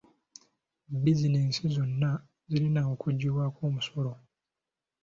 Bizinensi zonna zirina okugibwako omusolo.